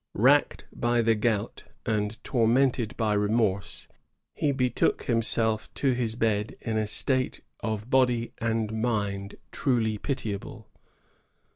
Racked by the gout and tormented by remorse, he betook himself to his bed in a state of body and mind truly pitiable.